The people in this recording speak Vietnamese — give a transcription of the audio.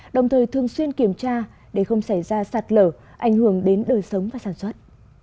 đồng thời thường xuyên kiểm tra để không xảy ra sạt lở ảnh hưởng đến đời sống và sản xuất